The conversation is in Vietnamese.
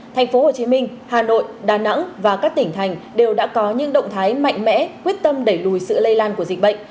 thành phố hồ chí minh hà nội đà nẵng và các tỉnh thành đều đã có những động thái mạnh mẽ quyết tâm đẩy lùi sự lây lan của dịch bệnh